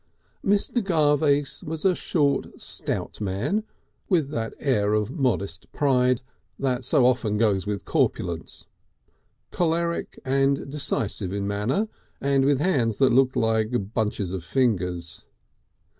Mr. Garvace was a short stout man, with that air of modest pride that so often goes with corpulence, choleric and decisive in manner, and with hands that looked like bunches of fingers.